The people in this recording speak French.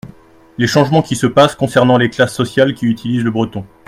Les changements qui se passent concernant les classes sociales qui utilisent le breton.